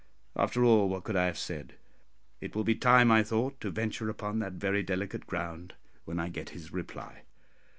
After all, what could I have said? It will be time, I thought, to venture upon that very delicate ground when I get his reply.